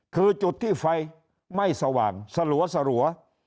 คือจุดที่ไฟไม่สว่างสลัว